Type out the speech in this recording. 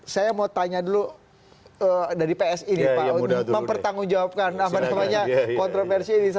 saya mau tanya dulu dari psi nih pak mempertanggungjawabkan kontroversi ini